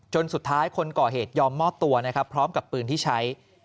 สุดท้ายคนก่อเหตุยอมมอบตัวนะครับพร้อมกับปืนที่ใช้